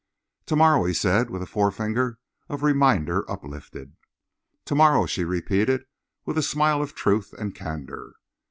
"To morrow," he said, with a forefinger of reminder uplifted. "To morrow," she repeated with a smile of truth and candour.